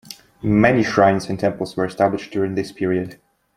Many shrines and temples were established during this period.